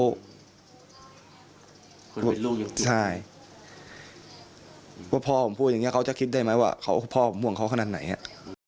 ว่าพ่อผมพูดอย่างเนี่ยเขาจะคิดได้ไหมว่าพ่อผมห่วงเขาขนาดไหนอะ